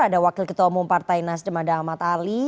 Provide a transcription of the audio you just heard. ada wakil ketua umum partai nasdem ada ahmad ali